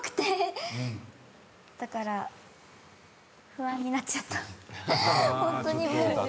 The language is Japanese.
だから不安になっちゃった。